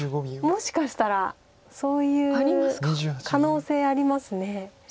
もしかしたらそういう可能性あります。